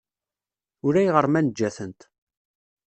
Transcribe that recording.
Ulayɣer ma nejja-tent.